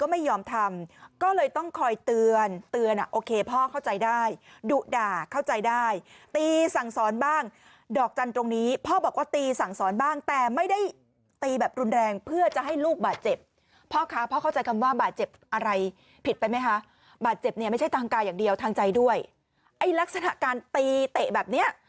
แม่แท้แม่แท้แม่แท้แม่แท้แม่แท้แม่แท้แม่แท้แม่แท้แม่แท้แม่แท้แม่แท้แม่แท้แม่แท้แม่แท้แม่แท้แม่แท้แม่แท้แม่แท้แม่แท้แม่แท้แม่แท้แม่แท้แม่แท้แม่แท้แม่แท้แม่แท้แม่แท้แม่แท้แม่แท้แม่แท้แม่แท้แม่แ